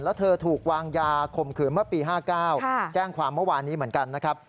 แล้วเธอถูกวางยาข่มขืนเมื่อปี๕๙แจ้งความเมื่อวานนี้เหมือนกันนะครับ